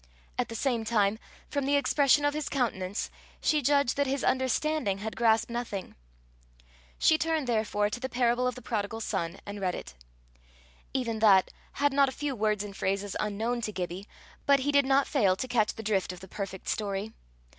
At the same time, from the expression of his countenance, she judged that his understanding had grasped nothing. She turned therefore to the parable of the prodigal son, and read it. Even that had not a few words and phrases unknown to Gibbie, but he did not fail to catch the drift of the perfect story.